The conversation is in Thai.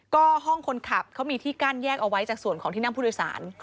ก็ห้องคนขับเขามีที่กั้นแยกเอาไว้จากส่วนของที่นั่งผู้โดยสาร